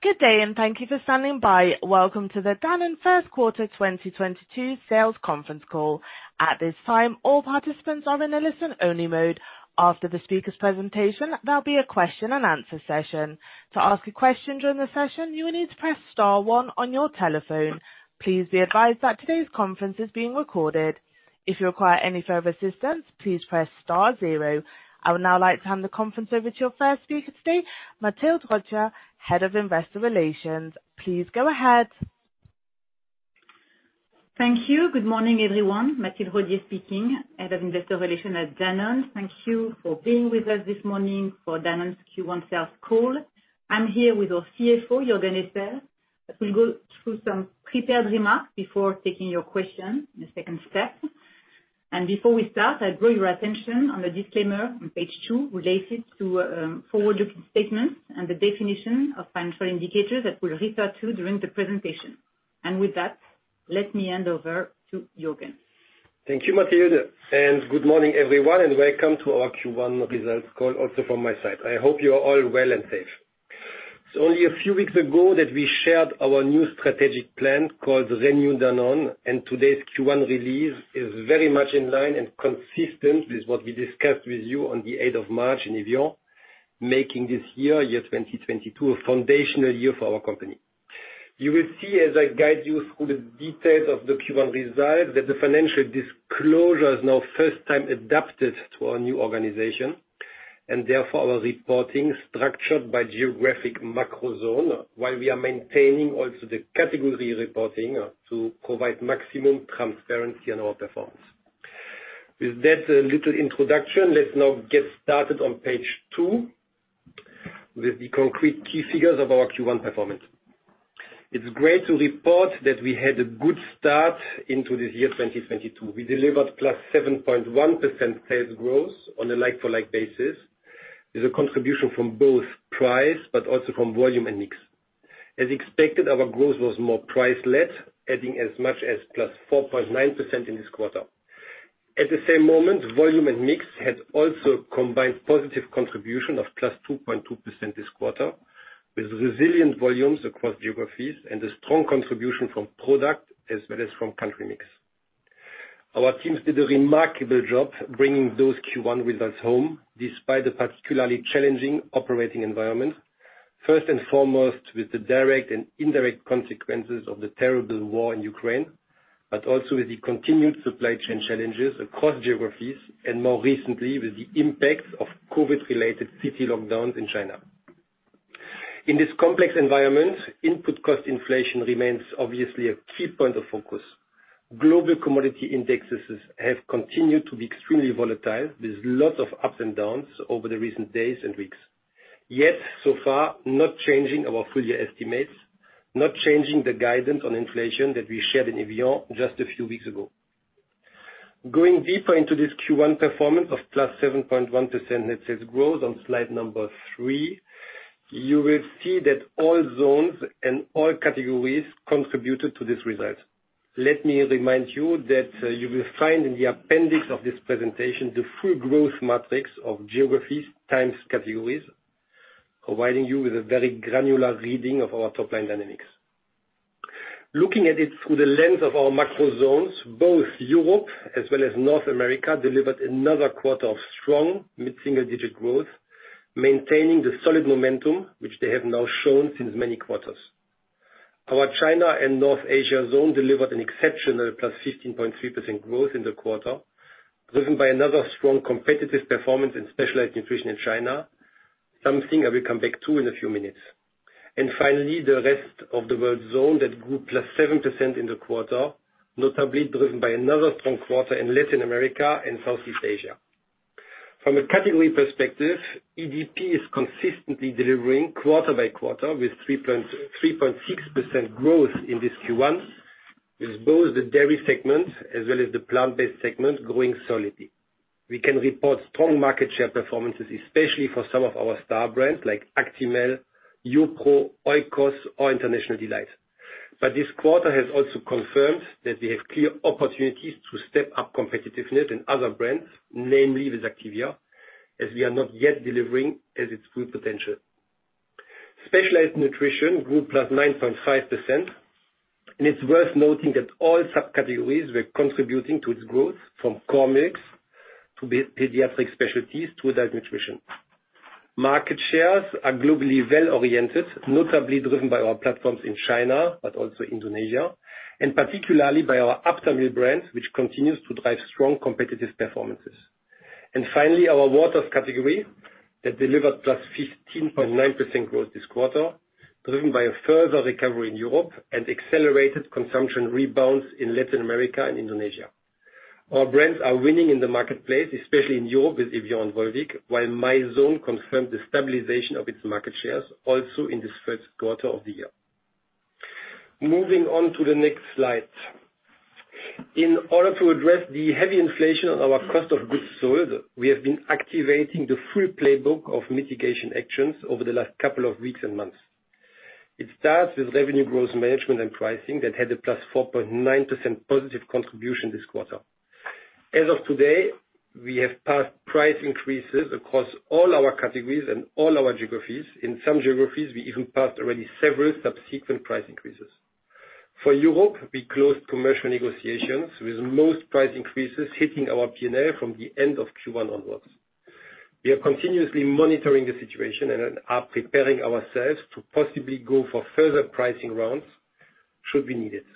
Good day, and thank you for standing by. Welcome to the Danone First Quarter 2022 Sales Conference Call. At this time, all participants are in a listen-only mode. After the speakers' presentation, there'll be a question-and-answer session. To ask a question during the session, you will need to press star one on your telephone. Please be advised that today's conference is being recorded. If you require any further assistance, please press star zero. I would now like to hand the conference over to your first speaker today, Mathilde Rodie, Head of Investor Relations. Please go ahead. Thank you. Good morning, everyone. Mathilde Rodie speaking, Head of Investor Relations at Danone. Thank you for being with us this morning for Danone's Q1 sales call. I'm here with our CFO, Juergen Esser, as we go through some prepared remarks before taking your questions in the second step. Before we start, I draw your attention on the disclaimer on page two related to forward-looking statements and the definition of financial indicators that we'll refer to during the presentation. With that, let me hand over to Juergen. Thank you, Mathilde, and good morning, everyone, and welcome to our Q1 results call also from my side. I hope you are all well and safe. It's only a few weeks ago that we shared our new strategic plan called Renew Danone, and today's Q1 release is very much in line and consistent with what we discussed with you on the eighth of March in Evian, making this year, 2022, a foundational year for our company. You will see as I guide you through the details of the Q1 results that the financial disclosure is now first time adapted to our new organization, and therefore our reporting structured by geographic macro zone, while we are maintaining also the category reporting to provide maximum transparency on our performance. With that, little introduction, let's now get started on page 2 with the concrete key figures of our Q1 performance. It's great to report that we had a good start into this year, 2022. We delivered +7.1% sales growth on a like-for-like basis. There's a contribution from both price, but also from volume and mix. As expected, our growth was more price-led, adding as much as +4.9% in this quarter. At the same moment, volume and mix had also combined positive contribution of +2.2% this quarter, with resilient volumes across geographies and a strong contribution from product as well as from country mix. Our teams did a remarkable job bringing those Q1 results home, despite the particularly challenging operating environment, first and foremost, with the direct and indirect consequences of the terrible war in Ukraine, but also with the continued supply chain challenges across geographies, and more recently, with the impacts of COVID-related city lockdowns in China. In this complex environment, input cost inflation remains obviously a key point of focus. Global commodity indexes have continued to be extremely volatile, with lots of ups and downs over the recent days and weeks. Yet, so far, not changing our full year estimates, not changing the guidance on inflation that we shared in Evian just a few weeks ago. Going deeper into this Q1 performance of +7.1% net sales growth on slide number 3, you will see that all zones and all categories contributed to this result. Let me remind you that you will find in the appendix of this presentation the full growth metrics of geographies times categories, providing you with a very granular reading of our top line dynamics. Looking at it through the lens of our macro zones, both Europe as well as North America delivered another quarter of strong mid-single-digit growth, maintaining the solid momentum which they have now shown since many quarters. Our China and North Asia zone delivered an exceptional +15.3% growth in the quarter, driven by another strong competitive performance in specialized nutrition in China, something I will come back to in a few minutes. Finally, the rest of the world zone that grew +7% in the quarter, notably driven by another strong quarter in Latin America and Southeast Asia. From a category perspective, EDP is consistently delivering quarter-`by-quarter with 3.6% growth in this Q1, with both the Dairy segment as well as the Plant-based segment growing solidly. We can report strong market share performances, especially for some of our star brands like Actimel, Evian, Oikos or International Delight. But this quarter has also confirmed that we have clear opportunities to step up competitiveness in other brands, namely with Activia, as we are not yet delivering at its full potential. Specialized Nutrition grew +9.5%, and it's worth noting that all sub-categories were contributing to its growth, from Core Milks to pediatric specialties to diet nutrition. Market shares are globally well-oriented, notably driven by our platforms in China, but also Indonesia, and particularly by our Aptamil brand, which continues to drive strong competitive performances. Finally, our Waters category that delivered +15.9% growth this quarter, driven by a further recovery in Europe and accelerated consumption rebounds in Latin America and Indonesia. Our brands are winning in the marketplace, especially in Europe with Evian and Volvic, while Mizone confirmed the stabilization of its market shares also in this first quarter of the year. Moving on to the next slide. In order to address the heavy inflation on our cost of goods sold, we have been activating the full playbook of mitigation actions over the last couple of weeks and months. It starts with revenue growth management and pricing that had a +4.9% positive contribution this quarter. As of today, we have passed price increases across all our categories and all our geographies. In some geographies, we even passed already several subsequent price increases. For Europe, we closed commercial negotiations with most price increases hitting our P&L from the end of Q1 onwards. We are continuously monitoring the situation and are preparing ourselves to possibly go for further pricing rounds should we need it.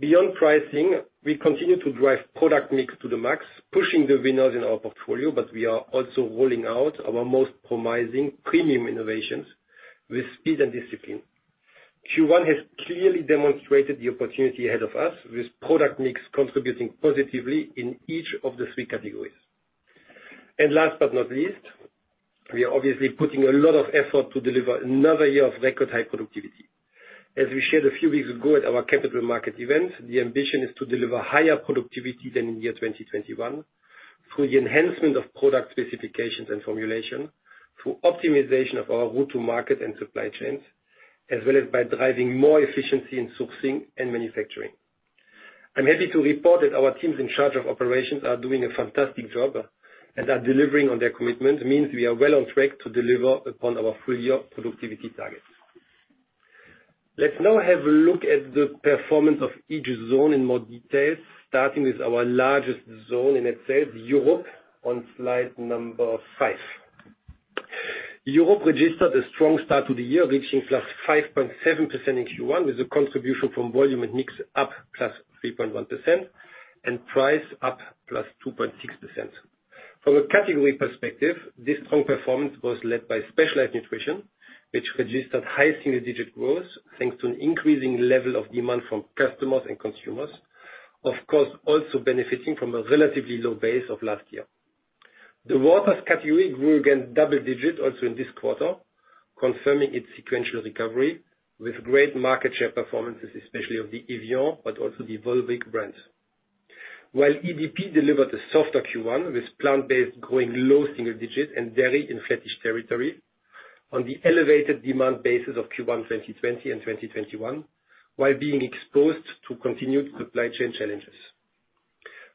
Beyond pricing, we continue to drive product mix to the max, pushing the winners in our portfolio, but we are also rolling out our most promising premium innovations with speed and discipline. Q1 has clearly demonstrated the opportunity ahead of us, with product mix contributing positively in each of the three categories. Last but not least, we are obviously putting a lot of effort to deliver another year of record high productivity. As we shared a few weeks ago at our capital market event, the ambition is to deliver higher productivity than in the year 2021 through the enhancement of product specifications and formulation, through optimization of our go-to market and supply chains, as well as by driving more efficiency in sourcing and manufacturing. I'm happy to report that our teams in charge of operations are doing a fantastic job and are delivering on their commitment. It means we are well on track to deliver upon our full year productivity targets. Let's now have a look at the performance of each zone in more detail, starting with our largest zone in itself, Europe, on slide number 5. Europe registered a strong start to the year, reaching +5.7% in Q1, with a contribution from volume and mix up +3.1% and price up +2.6%. From a category perspective, this strong performance was led by specialized nutrition, which registered high single digit growth, thanks to an increasing level of demand from customers and consumers, of course, also benefiting from a relatively low base of last year. The waters category grew again double-digit also in this quarter, confirming its sequential recovery with great market share performances, especially of the Evian, but also the Volvic brands. While EDP delivered a softer Q1, with plant-based growing low single-digit and Dairy in flattish territory on the elevated demand basis of Q1 2020 and 2021, while being exposed to continued supply chain challenges.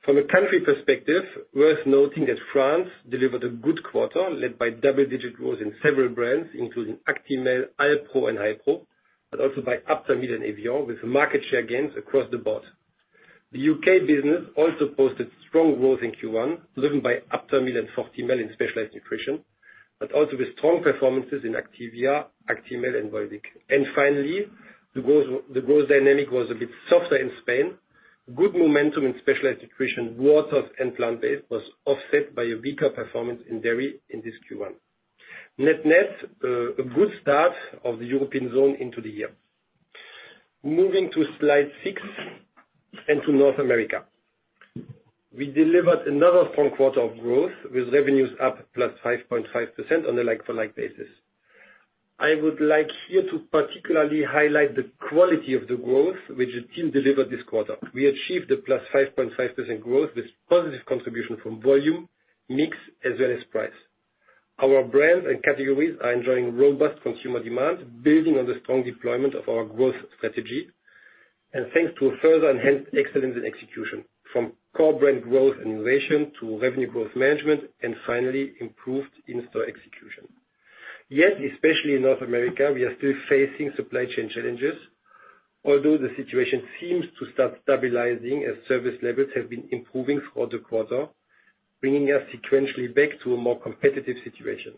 From a country perspective, worth noting that France delivered a good quarter, led by double-digit growth in several brands, including Actimel, Alpro, but also by Aptamil and Evian, with market share gains across the board. The U.K. business also posted strong growth in Q1, driven by Aptamil and Fortimel in specialized nutrition, but also with strong performances in Activia, Actimel and Volvic. Finally, the growth dynamic was a bit softer in Spain. Good momentum in specialized nutrition, waters and plant-based was offset by a weaker performance in Dairy in this Q1. Net-net, a good start of the European zone into the year. Moving to slide 6 and to North America. We delivered another strong quarter of growth with revenues up +5.5% on a like-for-like basis. I would like here to particularly highlight the quality of the growth which the team delivered this quarter. We achieved the +5.5% growth with positive contribution from volume, mix, as well as price. Our brands and categories are enjoying robust consumer demand, building on the strong deployment of our growth strategy and thanks to a further enhanced excellence in execution from core brand growth and innovation to revenue growth management and finally improved in-store execution. Yet, especially in North America, we are still facing supply chain challenges, although the situation seems to start stabilizing as service levels have been improving for the quarter, bringing us sequentially back to a more competitive situation.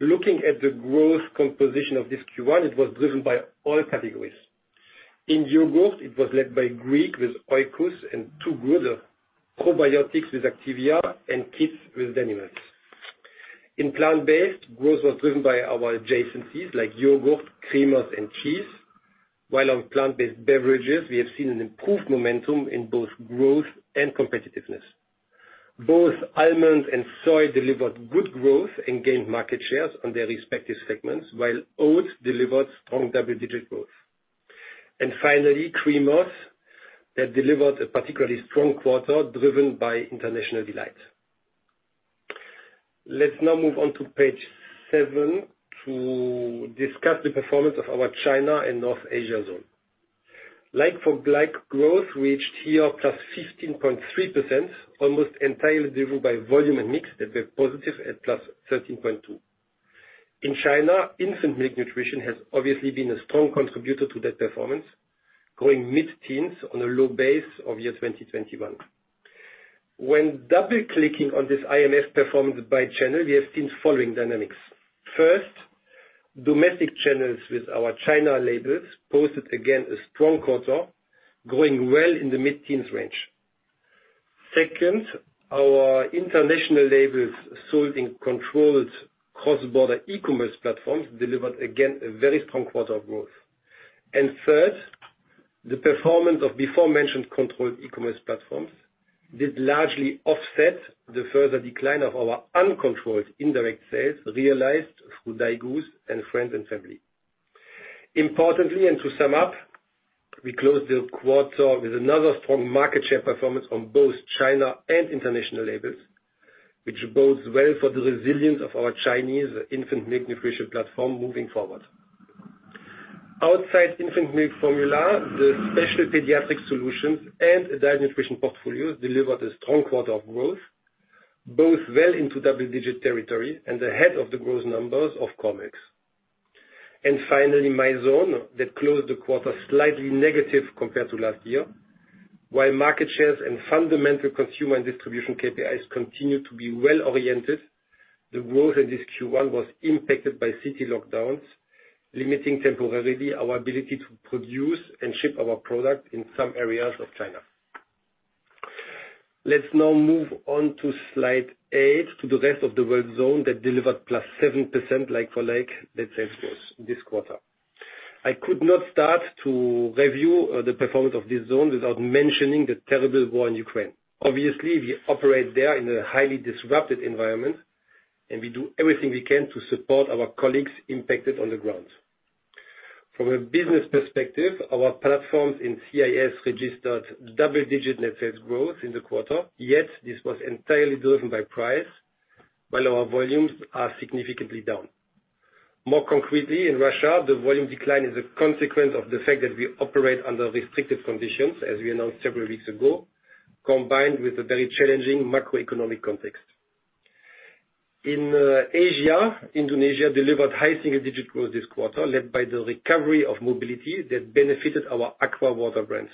Looking at the growth composition of this Q1, it was driven by all categories. In yogurt, it was led by Greek with Oikos and Two Good probiotics with Activia and kids with Danimals. In plant-based, growth was driven by our adjacencies like yogurt, creamers and cheese. While on plant-based beverages, we have seen an improved momentum in both growth and competitiveness. Both almond and soy delivered good growth and gained market shares on their respective segments, while oats delivered strong double-digit growth. Finally, creamers that delivered a particularly strong quarter driven by International Delight. Let's now move on to page seven to discuss the performance of our China and North Asia zone. Like-for-like growth reached +15.3%, almost entirely driven by volume and mix that were positive at +13.2%. In China, infant milk nutrition has obviously been a strong contributor to that performance, growing mid-teens on a low base of year 2021. When double-clicking on this IMF performance by channel, we have seen following dynamics. First, domestic channels with our China labels posted again a strong quarter, growing well in the mid-teens range. Second, our international labels sold in controlled cross-border e-commerce platforms delivered again a very strong quarter of growth. Third, the performance of before mentioned controlled e-commerce platforms did largely offset the further decline of our uncontrolled indirect sales realized through Daigous and friends and family. Importantly, to sum up. We closed the quarter with another strong market share performance on both China and international labels, which bodes well for the resilience of our Chinese infant milk nutrition platform moving forward. Outside infant milk formula, the special pediatric solutions and diet nutrition portfolios delivered a strong quarter of growth, both well into double-digit territory and ahead of the growth numbers of comps. Finally, Mizone closed the quarter slightly negative compared to last year. While market shares and fundamental consumer and distribution KPIs continue to be well-oriented, the growth in this Q1 was impacted by city lockdowns, limiting temporarily our ability to produce and ship our product in some areas of China. Let's now move on to slide 8, to the rest of the world zone that delivered +7% like-for-like net sales growth this quarter. I could not start to review the performance of this zone without mentioning the terrible war in Ukraine. Obviously, we operate there in a highly disrupted environment, and we do everything we can to support our colleagues impacted on the ground. From a business perspective, our platforms in CIS registered double-digit net sales growth in the quarter. Yet this was entirely driven by price, while our volumes are significantly down. More concretely, in Russia, the volume decline is a consequence of the fact that we operate under restricted conditions, as we announced several weeks ago, combined with a very challenging macroeconomic context. In Asia, Indonesia delivered high single digit growth this quarter, led by the recovery of mobility that benefited our Aqua water brands.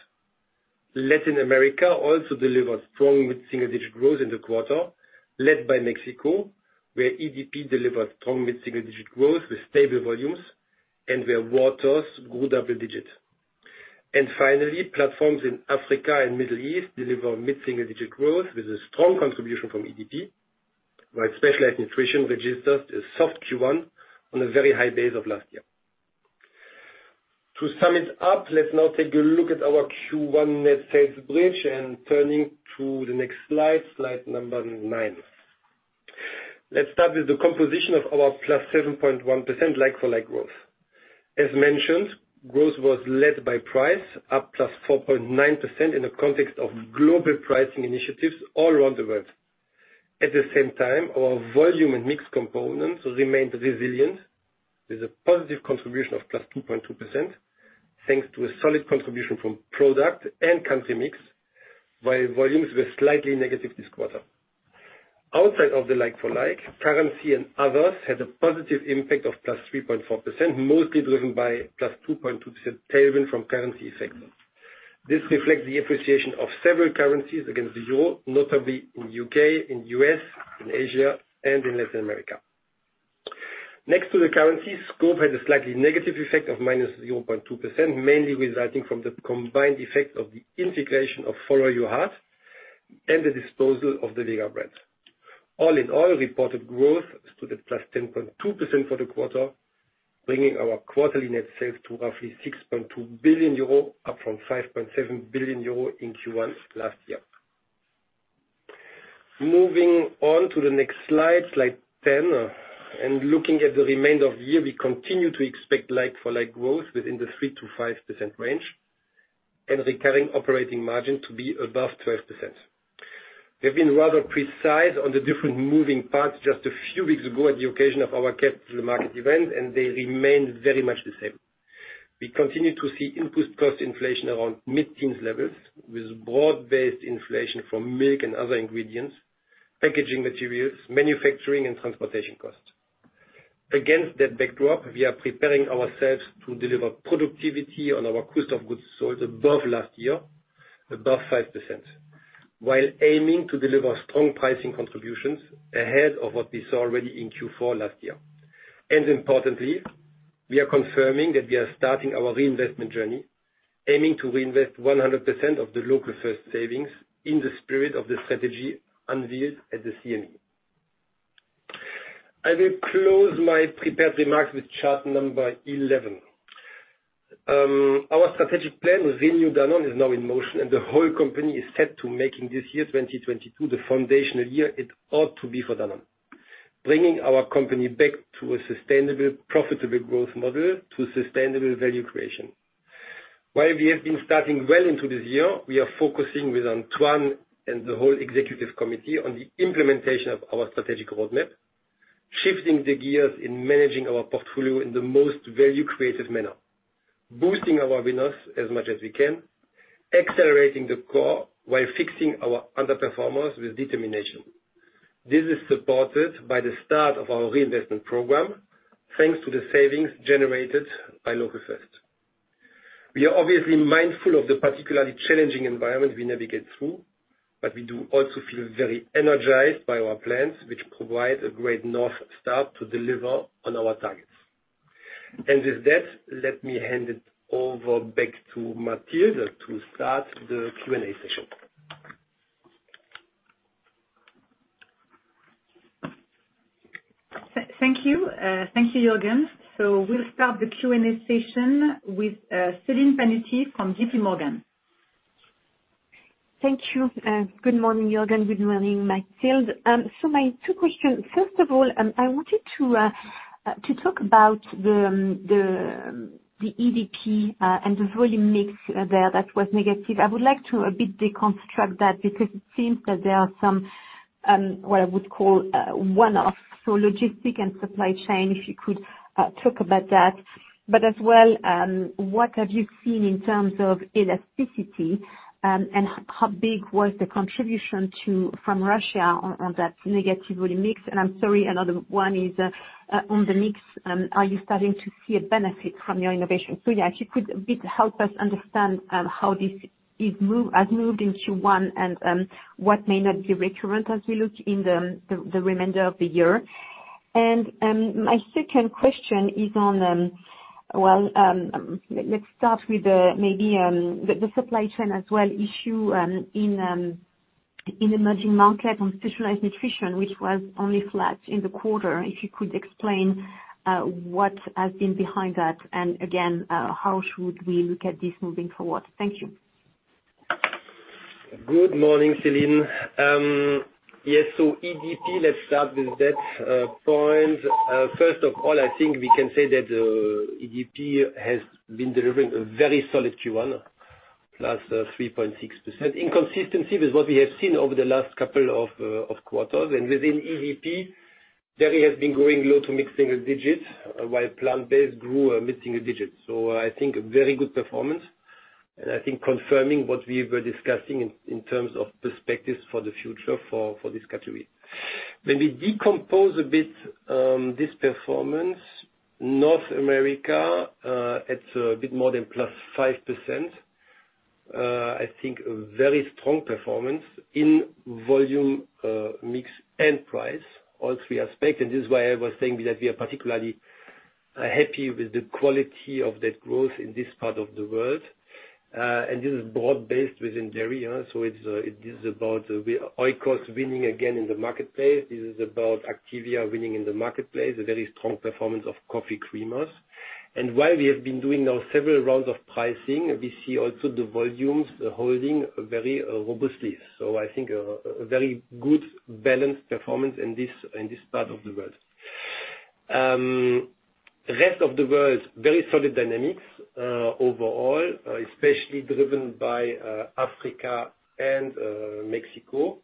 Latin America also delivered strong mid-single digit growth in the quarter, led by Mexico, where EDP delivered strong mid-single digit growth with stable volumes and where waters grew double digits. Finally, platforms in Africa and Middle East deliver mid-single digit growth with a strong contribution from EDP, while specialized nutrition registered a soft Q1 on a very high base of last year. To sum it up, let's now take a look at our Q1 net sales bridge and turning to the next slide number 9. Let's start with the composition of our +7.1% like for like growth. As mentioned, growth was led by price, up +4.9% in the context of global pricing initiatives all around the world. At the same time, our volume and mix components remained resilient with a positive contribution of +2.2%, thanks to a solid contribution from product and country mix, while volumes were slightly negative this quarter. Outside of the like for like, currency and others had a positive impact of +3.4%, mostly driven by +2.2% tailwind from currency effect. This reflects the appreciation of several currencies against the euro, notably in the U.K., in the U.S., in Asia, and in Latin America. Next to the currency, scope had a slightly negative effect of -0.2%, mainly resulting from the combined effect of the integration of Follow Your Heart and the disposal of the Vega brand. All in all, reported growth stood at +10.2% for the quarter, bringing our quarterly net sales to roughly 6.2 billion euro, up from 5.7 billion euro in Q1 last year. Moving on to the next slide 10, and looking at the remainder of the year, we continue to expect like for like growth within the 3%-5% range and recurring operating margin to be above 12%. We've been rather precise on the different moving parts just a few weeks ago at the occasion of our Capital Market event, and they remain very much the same. We continue to see input cost inflation around mid-teens levels, with broad-based inflation from milk and other ingredients, packaging materials, manufacturing and transportation costs. Against that backdrop, we are preparing ourselves to deliver productivity on our cost of goods sold above last year, above 5%, while aiming to deliver strong pricing contributions ahead of what we saw already in Q4 last year. Importantly, we are confirming that we are starting our reinvestment journey, aiming to reinvest 100% of the Local First savings in the spirit of the strategy unveiled at the CME. I will close my prepared remarks with chart number 11. Our strategic plan, Renew Danone, is now in motion and the whole company is set to making this year, 2022, the foundational year it ought to be for Danone, bringing our company back to a sustainable, profitable growth model to sustainable value creation. While we have been starting well into this year, we are focusing with Antoine and the whole executive committee on the implementation of our strategic roadmap, shifting the gears in managing our portfolio in the most value creative manner, boosting our winners as much as we can, accelerating the core while fixing our underperformers with determination. This is supported by the start of our reinvestment program, thanks to the savings generated by Local First. We are obviously mindful of the particularly challenging environment we navigate through, but we do also feel very energized by our plans, which provide a great north star to deliver on our targets. With that, let me hand it over back to Mathilde to start the Q&A session. Thank you. Thank you, Juergen. We'll start the Q&A session with Celine Pannuti from JPMorgan. Thank you. Good morning, Juergen. Good morning, Mathilde. My two questions. First of all, I wanted to talk about the EDP and the volume mix there that was negative. I would like to a bit deconstruct that because it seems that there are some what I would call one-off, so logistic and supply chain, if you could talk about that. But as well, what have you seen in terms of elasticity, and how big was the contribution from Russia on that negative mix? And I'm sorry, another one is on the mix, are you starting to see a benefit from your innovation? Yeah, if you could a bit help us understand how this has moved into one and what may not be recurrent as we look in the remainder of the year. My second question is on, well, let's start with the, maybe the supply chain as well issue in emerging market on Specialized Nutrition, which was only flat in the quarter. If you could explain what has been behind that, and again how should we look at this moving forward? Thank you. Good morning, Celine. Yes, EDP, let's start with that point. First of all, I think we can say that EDP has been delivering a very solid Q1, +3.6%. In consistency with what we have seen over the last couple of quarters, and within EDP, Dairy has been growing low- to mid-single digits, while plant-based grew mid-single digits. I think a very good performance, and I think confirming what we were discussing in terms of perspectives for the future for this category. When we decompose a bit this performance, North America, it's a bit more than +5%. I think a very strong performance in volume, mix and price, all three aspects, and this is why I was saying that we are particularly happy with the quality of that growth in this part of the world. This is broad-based within Dairy, so it is about Oikos winning again in the marketplace. This is about Activia winning in the marketplace, a very strong performance of coffee creamers. While we have been doing now several rounds of pricing, we see also the volumes holding very robustly. I think a very good balanced performance in this part of the world. Rest of the world, very solid dynamics overall, especially driven by Africa and Mexico,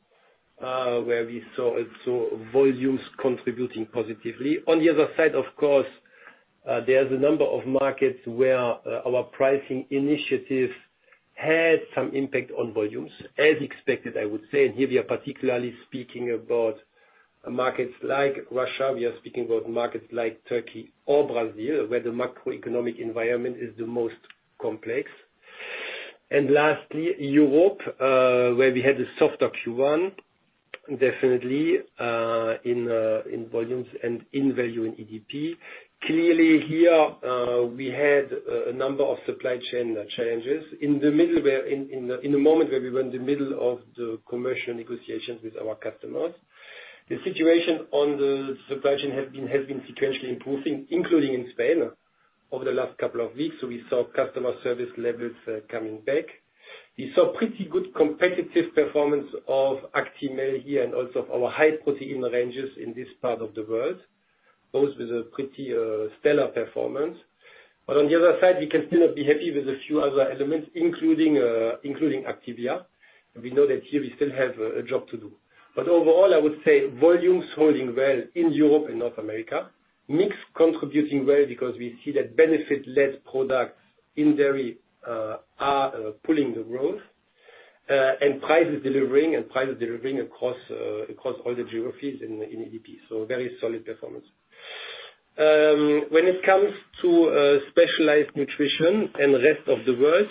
where we saw volumes contributing positively. On the other side, of course, there's a number of markets where our pricing initiatives had some impact on volumes, as expected, I would say. Here, we are particularly speaking about markets like Russia. We are speaking about markets like Turkey or Brazil, where the macroeconomic environment is the most complex. Lastly, Europe, where we had a softer Q1, definitely, in volumes and in value in EDP. Clearly here, we had a number of supply chain challenges in the middle in the moment where we were in the middle of the commercial negotiations with our customers. The situation on the supply chain has been sequentially improving, including in Spain over the last couple of weeks. We saw customer service levels coming back. We saw pretty good competitive performance of Actimel here and also our high protein ranges in this part of the world, both with a pretty stellar performance. On the other side, we can still not be happy with a few other elements, including Activia. We know that here we still have a job to do. Overall, I would say volumes holding well in Europe and North America. Mix contributing well because we see that benefit-led products in Dairy are pulling the growth. And price is delivering across all the geographies in EDP. Very solid performance. When it comes to specialized nutrition and the rest of the world,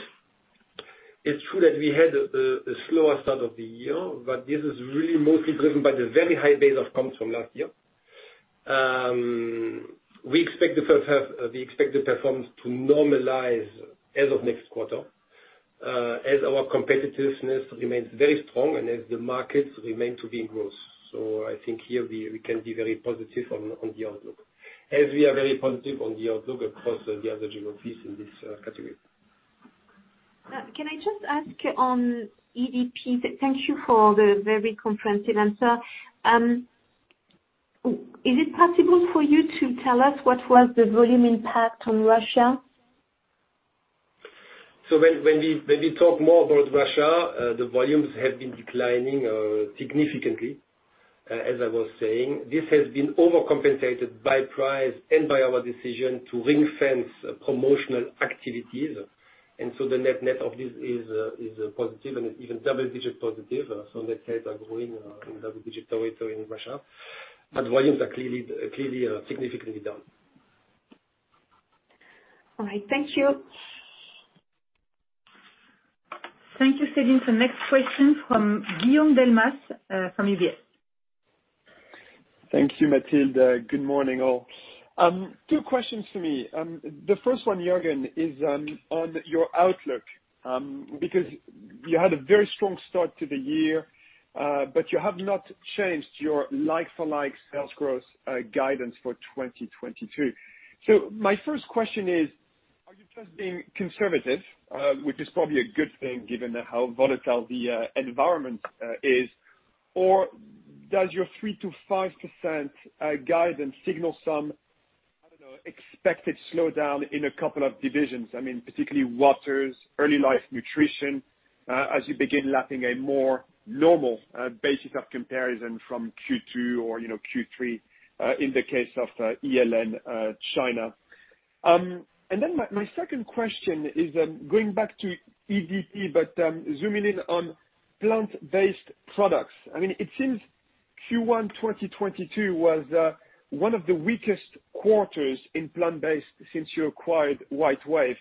it's true that we had a slower start of the year, but this is really mostly driven by the very high base of comps from last year. We expect the first half performance to normalize as of next quarter, as our competitiveness remains very strong and as the markets remain to be in growth. I think here we can be very positive on the outlook, as we are very positive on the outlook across the other geographies in this category. Can I just ask on EDP? Thank you for the very comprehensive answer. Is it possible for you to tell us what was the volume impact on Russia? When we talk more about Russia, the volumes have been declining significantly, as I was saying. This has been overcompensated by price and by our decision to ring-fence promotional activities. The net-net of this is positive and even double-digit positive. Let's say they're growing in double digits over in Russia. Volumes are clearly significantly down. All right. Thank you. Thank you, Celine. The next question from Guillaume Delmas, from UBS. Thank you, Mathilde. Good morning, all. Two questions for me. The first one, Juergen, is on your outlook, because you had a very strong start to the year, but you have not changed your like-for-like sales growth guidance for 2022. So my first question is, you just being conservative, which is probably a good thing given how volatile the environment is. Or does your 3%-5% guidance signal some, I don't know, expected slowdown in a couple of divisions? I mean, particularly Waters, Early Life Nutrition, as you begin lapping a more normal basis of comparison from Q2 or, you know, Q3 in the case of ELN, China. My second question is going back to EDP, but zooming in on plant-based products. I mean, it seems Q1 2022 was one of the weakest quarters in plant-based since you acquired WhiteWave.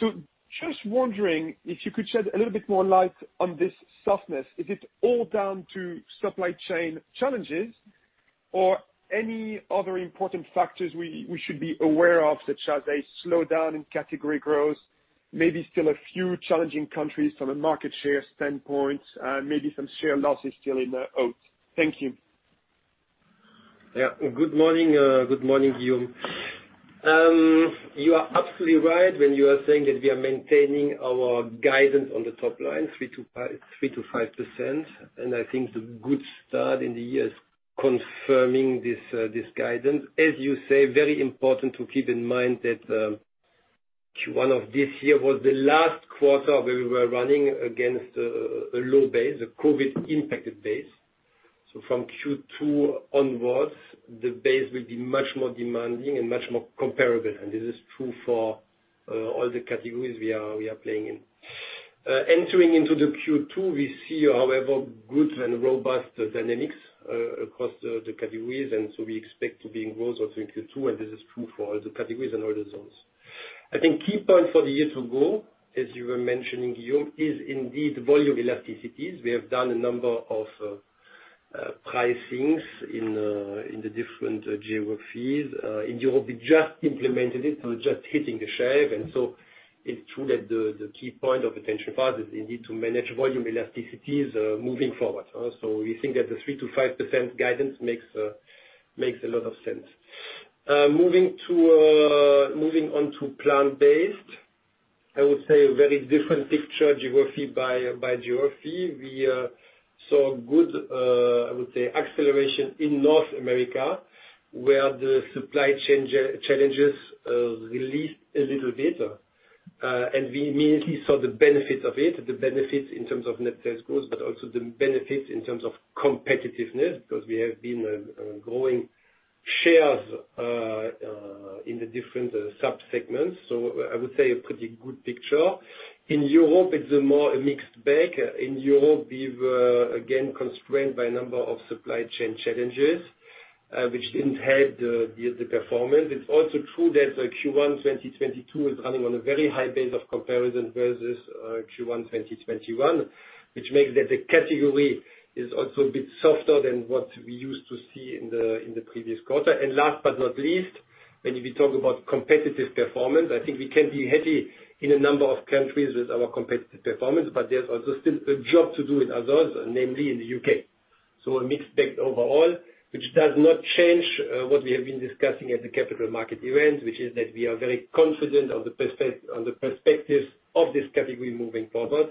Just wondering if you could shed a little bit more light on this softness. Is it all down to supply chain challenges or any other important factors we should be aware of, such as a slowdown in category growth, maybe still a few challenging countries from a market share standpoint, maybe some share losses still in the oats. Thank you. Yeah. Good morning. Good morning, Guillaume. You are absolutely right when you are saying that we are maintaining our guidance on the top line, 3%-5%, 3%-5%, and I think the good start in the year is confirming this guidance. As you say, very important to keep in mind that Q1 of this year was the last quarter where we were running against a low base, a COVID-impacted base. From Q2 onwards, the base will be much more demanding and much more comparable, and this is true for all the categories we are playing in. Entering into Q2, we see, however, good and robust dynamics across the categories, and so we expect to be in growth also in Q2, and this is true for all the categories and all the zones. I think key point for the year to go, as you were mentioning, Guillaume, is indeed volume elasticities. We have done a number of pricings in the different geographies. In Europe, we just implemented it, so we're just hitting the shape. It's true that the key point of attention for us is the need to manage volume elasticities moving forward. We think that the 3%-5% guidance makes a lot of sense. Moving on to plant-based, I would say a very different picture by geography. We saw good, I would say, acceleration in North America, where the supply chain challenges eased a little later. We immediately saw the benefits of it, the benefits in terms of net sales growth, but also the benefits in terms of competitiveness, because we have been growing shares in the different sub-segments. I would say a pretty good picture. In Europe, it's a more mixed bag. In Europe, we were again constrained by a number of supply chain challenges, which didn't help the performance. It's also true that Q1 2022 is running on a very high base of comparison versus Q1 2021, which makes the category is also a bit softer than what we used to see in the previous quarter. Last but not least, when we talk about competitive performance, I think we can be happy in a number of countries with our competitive performance, but there's also still a job to do in others, namely in the U.K. A mixed bag overall, which does not change what we have been discussing at the Capital Market Event, which is that we are very confident on the perspectives of this category moving forward,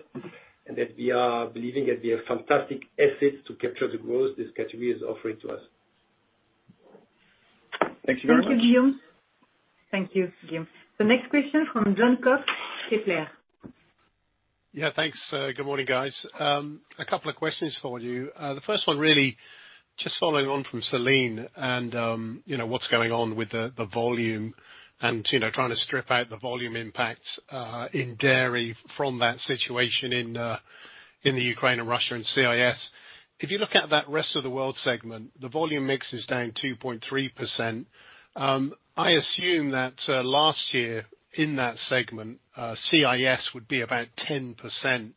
and that we are believing that we have fantastic assets to capture the growth this category is offering to us. Thank you very much. Thank you, Guillaume. The next question from Jon Cox, Kepler. Yeah, thanks. Good morning, guys. A couple of questions for you. The first one really just following on from Celine and, you know, what's going on with the volume and, you know, trying to strip out the volume impact in Dairy from that situation in the Ukraine and Russia and CIS. If you look at that rest of the world segment, the volume mix is down 2.3%. I assume that last year in that segment, CIS would be about 10%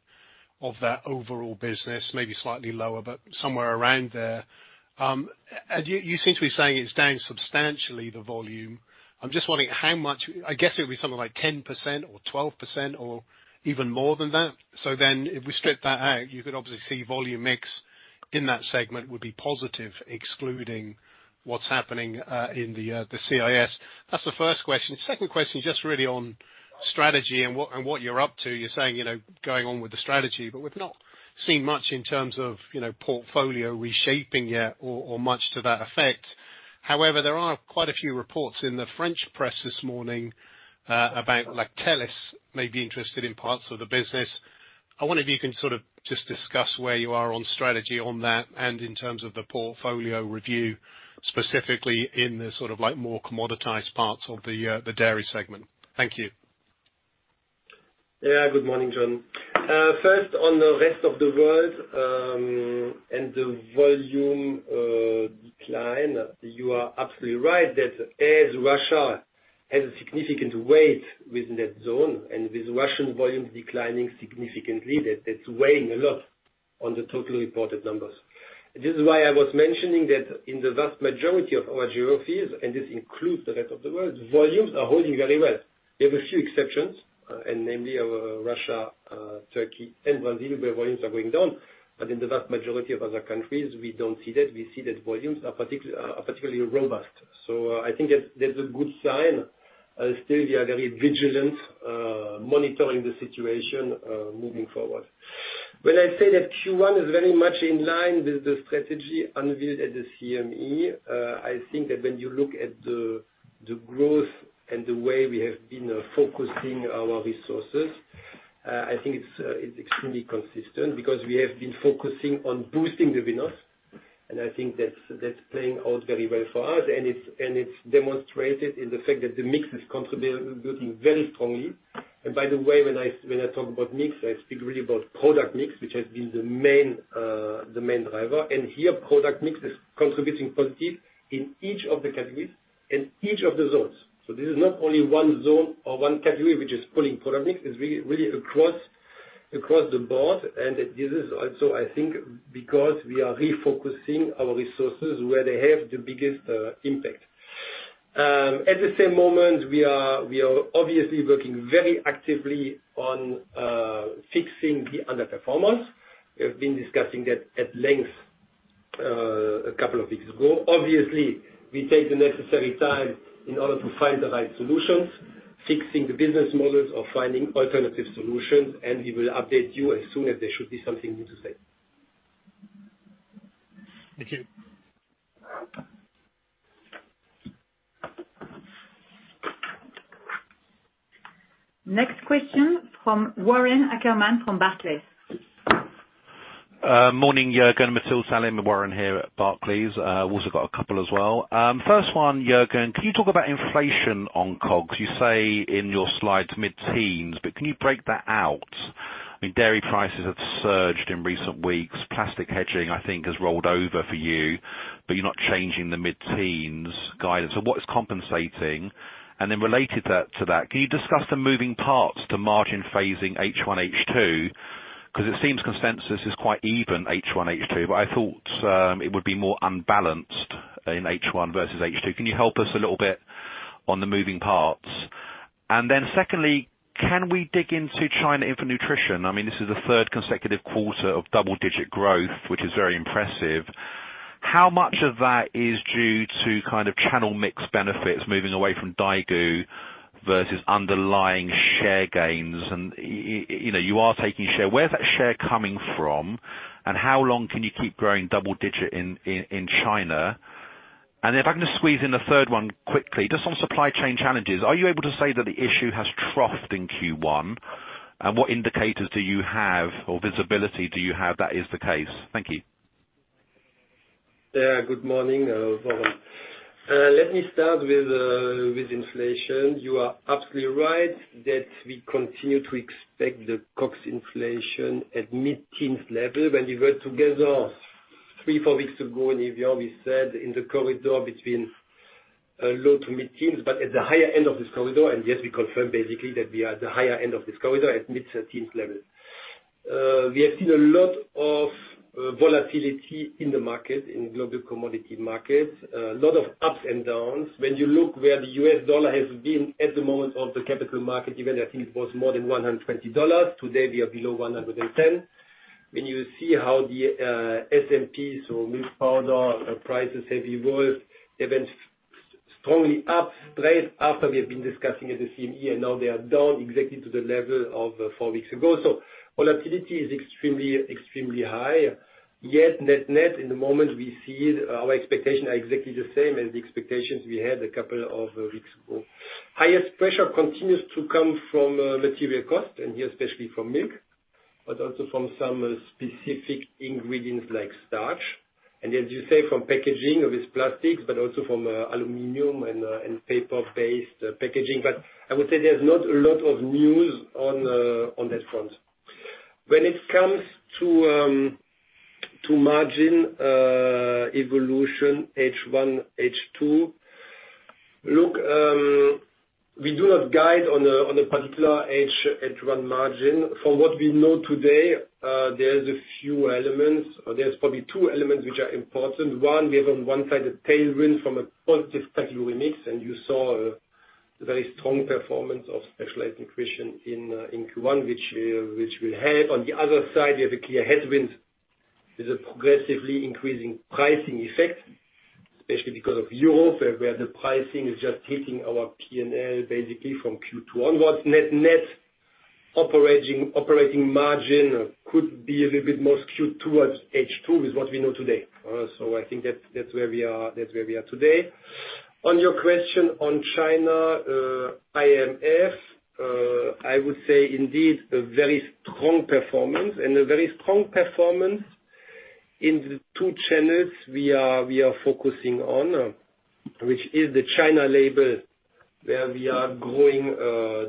of that overall business, maybe slightly lower, but somewhere around there. You seem to be saying it's down substantially, the volume. I'm just wondering how much. I guess it'll be something like 10% or 12% or even more than that? If we strip that out, you could obviously see volume mix in that segment would be positive, excluding what's happening in the CIS? That's the first question. Second question is just really on strategy and what you're up to. You're saying, you know, going on with the strategy, but we've not seen much in terms of, you know, portfolio reshaping yet or much to that effect. However, there are quite a few reports in the French press this morning about Lactalis may be interested in parts of the business. I wonder if you can sort of just discuss where you are on strategy on that and in terms of the portfolio review, specifically in the sort of like more commoditized parts of the Dairy segment? Thank you. Yeah. Good morning, Jon. First on the rest of the world, and the volume decline, you are absolutely right that as Russia has a significant weight within that zone, and with Russian volumes declining significantly, that it's weighing a lot on the total reported numbers. This is why I was mentioning that in the vast majority of our geographies, and this includes the rest of the world, volumes are holding very well. We have a few exceptions, and namely our Russia, Turkey and Brazil, where volumes are going down. In the vast majority of other countries, we don't see that. We see that volumes are particularly robust. I think that that's a good sign. Still we are very vigilant, monitoring the situation, moving forward. When I say that Q1 is very much in line with the strategy unveiled at the CME, I think that when you look at the growth and the way we have been focusing our resources, I think it's extremely consistent because we have been focusing on boosting the winners and I think that's playing out very well for us and it's demonstrated in the fact that the mix is contributing, building very strongly. By the way, when I talk about mix, I speak really about product mix, which has been the main driver. Here product mix is contributing positive in each of the categories, in each of the zones. This is not only one zone or one category which is pulling product mix. It's really across the board, and this is also I think because we are refocusing our resources where they have the biggest impact. At the same moment, we are obviously working very actively on fixing the underperformance. We have been discussing that at length a couple of weeks ago. Obviously, we take the necessary time in order to find the right solutions, fixing the business models or finding alternative solutions, and we will update you as soon as there should be something new to say. Thank you. Next question from Warren Ackerman from Barclays. Morning, Juergen, Mathilde, Salim. Warren here at Barclays. Also got a couple as well. First one, Juergen, can you talk about inflation on COGS? You say in your slides mid-teens, but can you break that out? I mean, Dairy prices have surged in recent weeks. Plastic hedging, I think, has rolled over for you, but you're not changing the mid-teens guidance. So what is compensating? Related to that, can you discuss the moving parts to margin phasing H1, H2? 'Cause it seems consensus is quite even H1, H2, but I thought it would be more unbalanced in H1 versus H2. Can you help us a little bit on the moving parts? Secondly, can we dig into China infant nutrition? I mean, this is the third consecutive quarter of double-digit growth, which is very impressive. How much of that is due to kind of channel mix benefits moving away from Daigou versus underlying share gains? You know, you are taking share. Where's that share coming from, and how long can you keep growing double-digit in China? If I can just squeeze in a third one quickly, just on supply chain challenges, are you able to say that the issue has troughed in Q1? What indicators do you have or visibility do you have that is the case? Thank you. Yeah, good morning, Warren. Let me start with inflation. You are absolutely right that we continue to expect the COGS inflation at mid-teens level. When we were together 3, 4 weeks ago in Evian, we said in the corridor between low to mid-teens, but at the higher end of this corridor, and yes, we confirm basically that we are at the higher end of this corridor at mid to teens level. We have seen a lot of volatility in the market, in global commodity markets, a lot of ups and downs. When you look where the US dollar has been at the moment of the capital market, even I think it was more than $120. Today, we are below $110. When you see how the SMP, so milk powder prices have evolved, even strongly up straight after we've been discussing at the CME, and now they are down exactly to the level of four weeks ago. Volatility is extremely high. Yet net-net in the moment we see our expectation are exactly the same as the expectations we had a couple of weeks ago. Highest pressure continues to come from material cost, and here especially from milk, but also from some specific ingredients like starch, and as you say, from packaging of these plastics, but also from aluminum and paper-based packaging. I would say there's not a lot of news on that front. When it comes to margin evolution H1, H2, look, we do not guide on a particular H1 margin. From what we know today, there's a few elements. There's probably two elements which are important. One, we have on one side a tailwind from a positive category mix, and you saw a very strong performance of specialized nutrition in Q1 which we had. On the other side, we have a clear headwind. There's a progressively increasing pricing effect, especially because of Europe, where the pricing is just hitting our P&L basically from Q2 onwards. Net operating margin could be a little bit more skewed towards H2 with what we know today. So I think that's where we are today. On your question on China, IMF, I would say indeed a very strong performance and a very strong performance in the two channels we are focusing on, which is the China label, where we are growing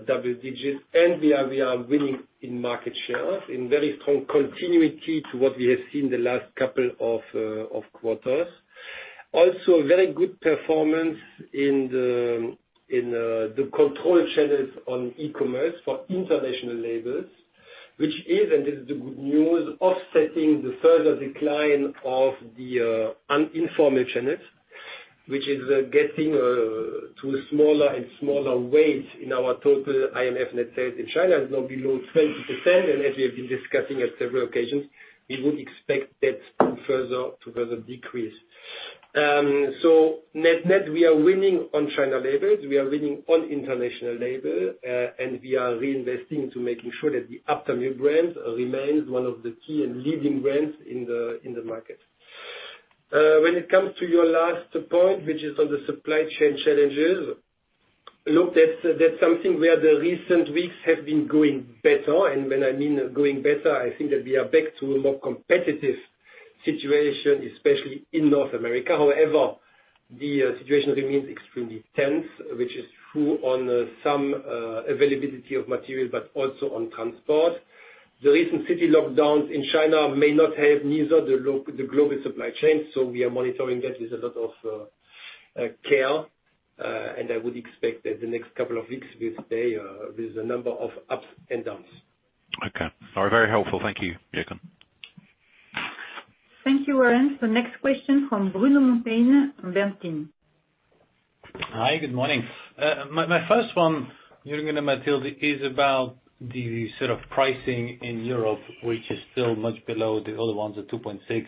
double digits, and we are winning in market share in very strong continuity to what we have seen in the last couple of quarters. Also very good performance in the controlled channels on e-commerce for international labels, which is, and this is the good news, offsetting the further decline of the informal channels, which is getting to a smaller and smaller weight in our total IMF net sales in China, which is now below 20%. As we have been discussing at several occasions, we would expect that to further decrease. So net, we are winning on China labels, we are winning on international label, and we are reinvesting to making sure that the Actimel brand remains one of the key and leading brands in the market. When it comes to your last point, which is on the supply chain challenges, look, that's something where the recent weeks have been going better. When I mean going better, I think that we are back to a more competitive situation, especially in North America. However, the situation remains extremely tense, which is true on some availability of materials, but also on transport. The recent city lockdowns in China may not have neither the global supply chain, so we are monitoring that with a lot of care. I would expect that the next couple of weeks will stay with a number of ups and downs. Okay. Very helpful. Thank you, Juergen. Thank you, Warren. The next question from Bruno Monteyne, Bernstein. Hi, good morning. My first one, Juergen and Mathilde, is about the sort of pricing in Europe, which is still much below the other ones at 2.6%,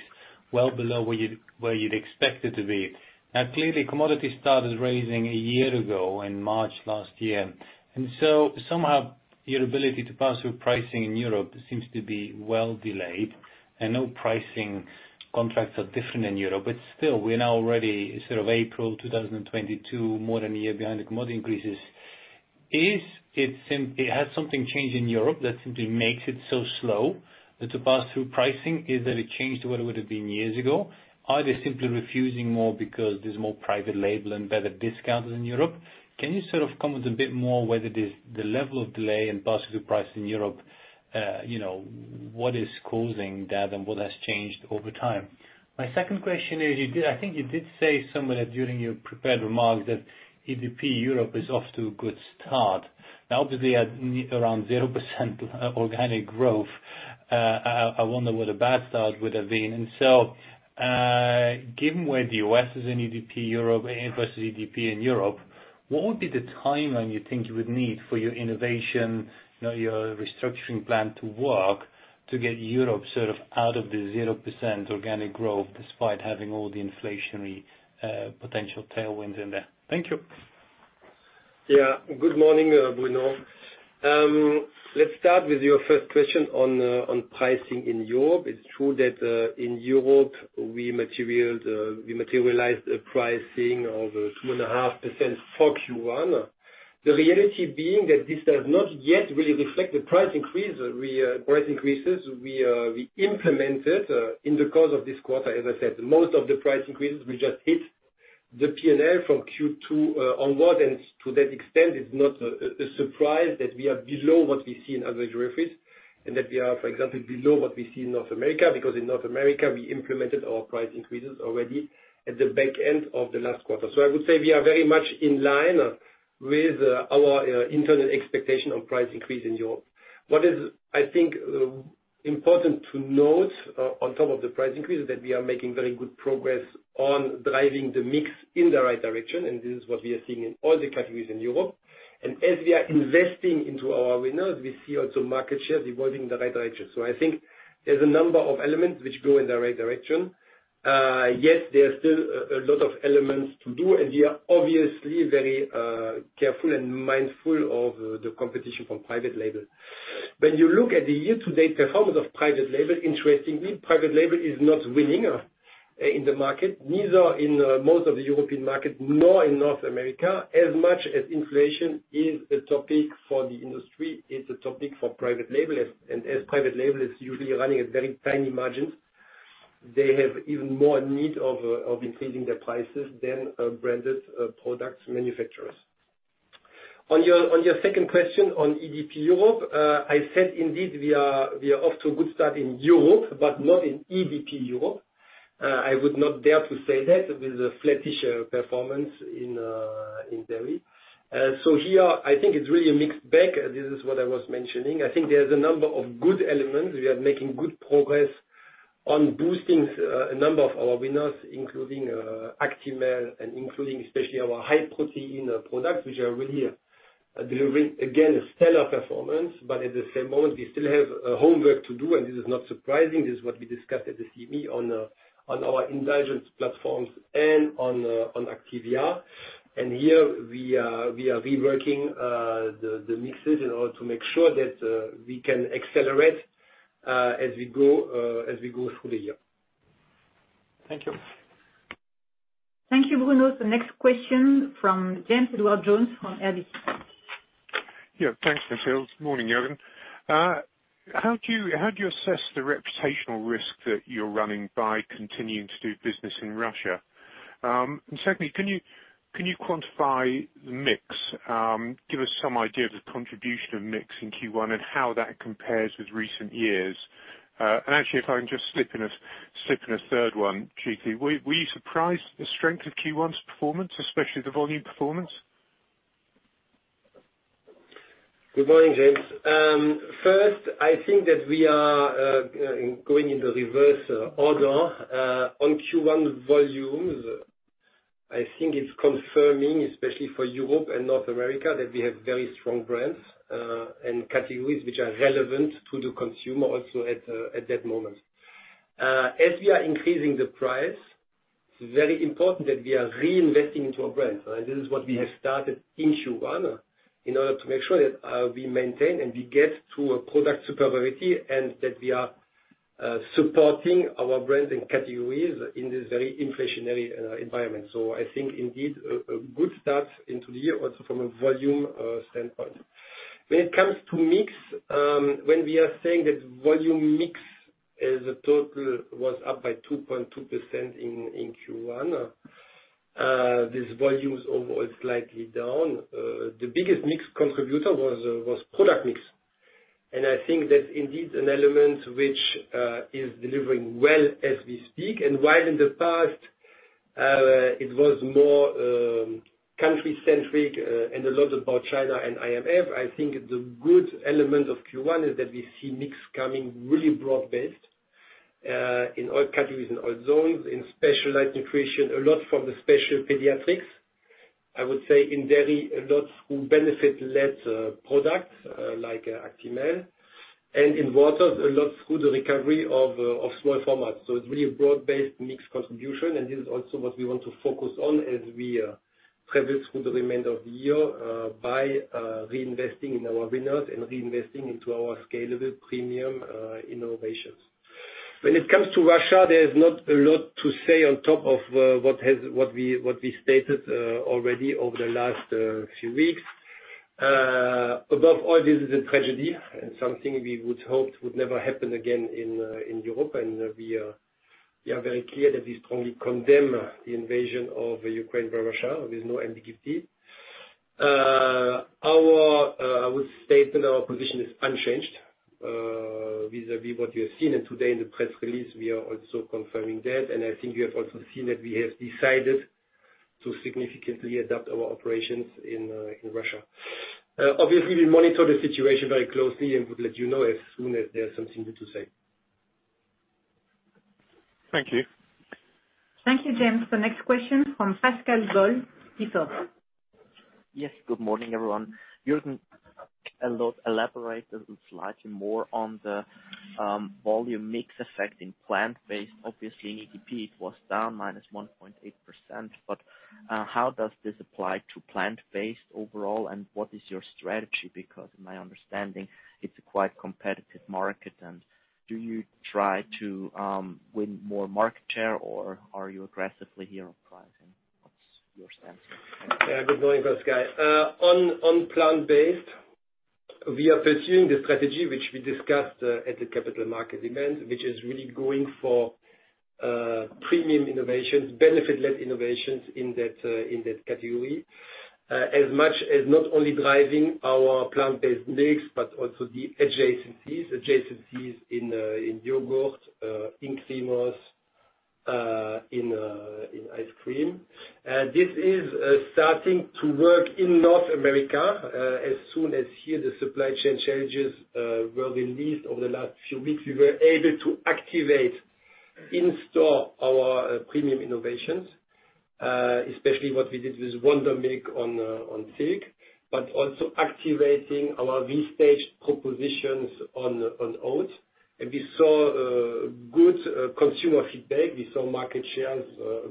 well below where you'd expect it to be. Now, clearly commodities started rising a year ago in March last year, and so somehow your ability to pass through pricing in Europe seems to be well delayed. I know pricing contracts are different in Europe, but still, we're now already sort of April 2022, more than a year behind the commodity increases. Is it simply. Has something changed in Europe that simply makes it so slow to pass through pricing. Is it a change to what it would've been years ago. Are they simply refusing more because there's more private label and better discounts in Europe? Can you sort of comment a bit more whether the level of delay in passing the price in Europe, you know, what is causing that and what has changed over time? My second question is, I think you did say somewhere during your prepared remarks that EDP Europe is off to a good start. Now, obviously at around 0% organic growth, I wonder what a bad start would have been. Given where the U.S. is in EDP Europe and versus EDP in Europe, what would be the timeline you think you would need for your innovation, you know, your restructuring plan to work to get Europe sort of out of the 0% organic growth despite having all the inflationary potential tailwinds in there? Thank you. Yeah. Good morning, Bruno. Let's start with your first question on pricing in Europe. It's true that in Europe, we materialized a pricing of 2.5% for Q1. The reality being that this does not yet really reflect the price increases we implemented in the course of this quarter. As I said, most of the price increases will just hit the P&L from Q2 onwards. To that extent, it's not a surprise that we are below what we see in other geographies, and that we are, for example, below what we see in North America. Because in North America we implemented our price increases already at the back end of the last quarter. I would say we are very much in line with our internal expectation of price increase in Europe. What is, I think, important to note on top of the price increase, is that we are making very good progress on driving the mix in the right direction, and this is what we are seeing in all the categories in Europe. As we are investing into our winners, we see also market share evolving in the right direction. I think there's a number of elements which go in the right direction. Yes, there are still a lot of elements to do, and we are obviously very careful and mindful of the competition from private label. When you look at the year-to-date performance of private label, interestingly, private label is not winning in the market. Neither in most of the European market, nor in North America. As much as inflation is a topic for the industry, it's a topic for private label. As private label is usually running at very tiny margins, they have even more need of increasing their prices than branded products manufacturers. On your second question on EDP Europe, I said indeed we are off to a good start in Europe, but not in EDP Europe. I would not dare to say that with a flattish performance in Dairy. Here I think it's really a mixed bag. This is what I was mentioning. I think there's a number of good elements. We are making good progress on boosting a number of our winners, including Actimel and including especially our high protein products, which are really delivering again a stellar performance. At the same moment, we still have homework to do, and this is not surprising. This is what we discussed at the CME on our indulgence platforms and on Activia. Here we are, we are reworking the mixes in order to make sure that we can accelerate as we go through the year. Thank you. Thank you, Bruno. The next question from James Edwardes Jones from RBC. Yeah, thanks, Mathilde. Morning, Juergen. How do you assess the reputational risk that you're running by continuing to do business in Russia? Secondly, can you quantify the mix? Give us some idea of the contribution of mix in Q1 and how that compares with recent years. Actually, if I can just slip in a third one cheaply, were you surprised at the strength of Q1's performance, especially the volume performance? Good morning, James. First, I think that we are going in the reverse order on Q1 volumes. I think it's confirming, especially for Europe and North America, that we have very strong brands and categories which are relevant to the consumer also at that moment. As we are increasing the price, it's very important that we are reinvesting into our brands. Right? This is what we have started in Q1 in order to make sure that we maintain and we get to a product superiority, and that we are supporting our brands and categories in this very inflationary environment. I think indeed a good start into the year also from a volume standpoint. When it comes to mix, when we are saying that volume mix as a total was up by 2.2% in Q1, this volume was overall slightly down. The biggest mix contributor was product mix. I think that's indeed an element which is delivering well as we speak. While in the past it was more country centric and a lot about China and IMF, I think the good element of Q1 is that we see mix coming really broad-based in all categories and all zones, in Specialized Nutrition, a lot from the special pediatrics. I would say in Dairy, a lot through benefit-led products like Actimel. In Waters, a lot through the recovery of small formats. It's really a broad-based mix contribution, and this is also what we want to focus on as we travel through the remainder of the year by reinvesting in our winners and reinvesting into our scalable premium innovations. When it comes to Russia, there's not a lot to say on top of what we stated already over the last few weeks. Above all, this is a tragedy and something we would hope would never happen again in Europe, and we are very clear that we strongly condemn the invasion of Ukraine by Russia with no ambiguity. I would state that our position is unchanged vis-à-vis what you have seen, and today in the press release, we are also confirming that. I think you have also seen that we have decided to significantly adapt our operations in Russia. Obviously, we monitor the situation very closely and will let you know as soon as there's something new to say. Thank you. Thank you, James. The next question from Pascal Boll, Stifel Yes. Good morning, everyone. Juergen already elaborated slightly more on the volume mix effect in plant-based. Obviously, like it was down -1.8%, but how does this apply to plant-based overall, and what is your strategy? Because in my understanding, it's a quite competitive market, and do you try to win more market share, or are you aggressively here on pricing? What's your stance? Thank you. Good morning, Pascal. On plant-based, we are pursuing the strategy which we discussed at the Capital Market Event, which is really going for premium innovations, benefit-led innovations in that category, aimed at not only driving our plant-based mix, but also the adjacencies. Adjacencies in yogurt, in creamers, in ice cream. This is starting to work in North America. As soon as the supply chain challenges were released over the last few weeks, we were able to activate in-store our premium innovations, especially what we did with Wondermilk on Silk, but also activating our restaged propositions on oats. We saw good consumer feedback. We saw market shares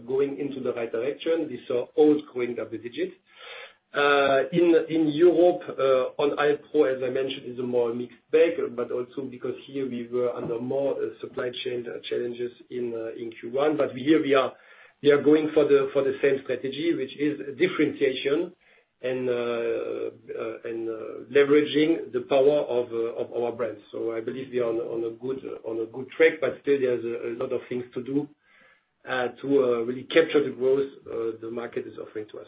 going into the right direction. We saw oats growing double digits. In Europe, on ice cream, as I mentioned, is a more mixed bag, but also because here we were under more supply chain challenges in Q1. Here we are going for the same strategy, which is differentiation and leveraging the power of our brands. I believe we are on a good track, but still there's a lot of things to do to really capture the growth the market is offering to us.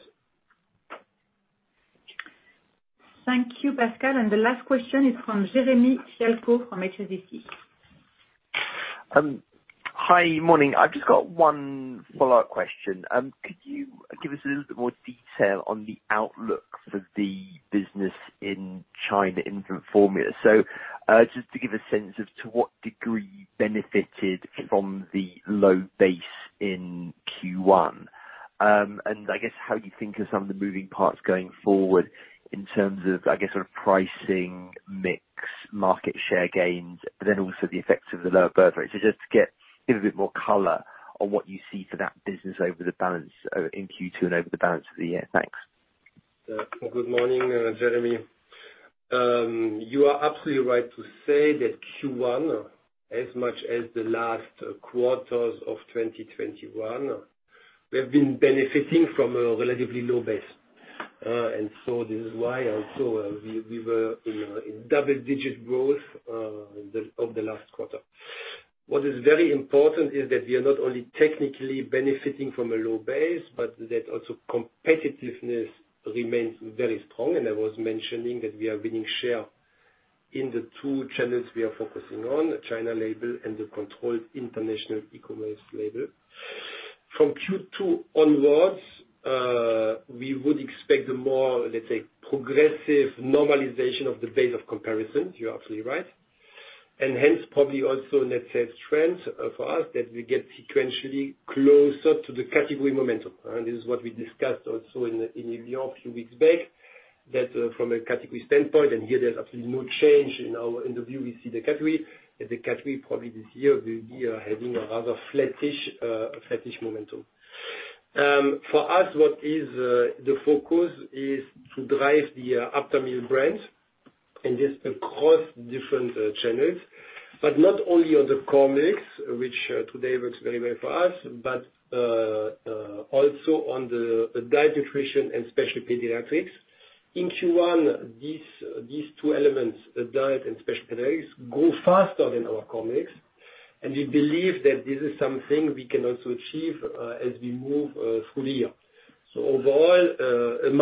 Thank you, Pascal. The last question is from Jeremy Fialko from HSBC. Hi. Morning. I've just got one follow-up question. Could you give us a little bit more detail on the outlook for the business in China infant formula? Just to give a sense as to what degree you benefited from the low base in Q1. I guess how you think of some of the moving parts going forward in terms of, I guess, sort of pricing, mix, market share gains, but then also the effects of the lower birth rate. Just to get a bit more color on what you see for that business over the balance in Q2 and over the balance for the year? Thanks. Good morning, Jeremy. You are absolutely right to say that Q1, as much as the last quarters of 2021, we have been benefiting from a relatively low base. This is why also we were in double-digit growth of the last quarter. What is very important is that we are not only technically benefiting from a low base, but that also competitiveness remains very strong, and I was mentioning that we are winning share in the two channels we are focusing on, China label and the controlled international e-commerce label. From Q2 onwards, we would expect a more, let's say, progressive normalization of the base of comparison. You're absolutely right. Hence, probably also a net sales trend for us that we get sequentially closer to the category momentum. This is what we discussed also in New York a few weeks back, that from a category standpoint, and here there's absolutely no change in our view we see the category, that the category probably this year will be having a rather flattish momentum. For us, the focus is to drive the Aptamil brand and this across different channels, but not only on the core mix, which today works very well for us, but also on the diet nutrition and special pediatrics. In Q1, these two elements, diet and special pediatrics, grew faster than our core mix, and we believe that this is something we can also achieve as we move through the year. Overall, an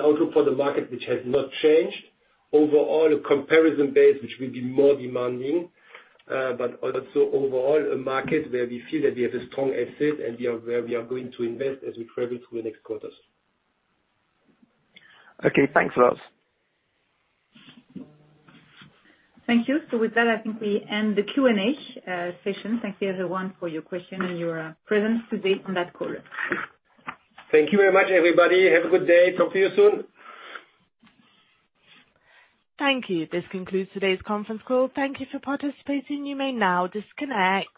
outlook for the market which has not changed. Overall, a comparison base which will be more demanding, but also overall, a market where we feel that we have a strong asset, and where we are going to invest as we travel through the next quarters. Okay. Thanks a lot. Thank you. With that, I think we end the Q&A session. Thank you everyone for your question and your presence today on that call. Thank you very much, everybody. Have a good day. Talk to you soon. Thank you. This concludes today's conference call. Thank you for participating. You may now disconnect.